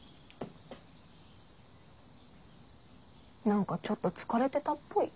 なんかちょっとつかれてたっぽい？